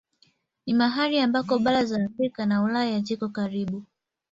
Ni mahali ambako bara za Afrika na Ulaya ziko karibu.